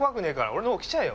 俺の方来ちゃえよ！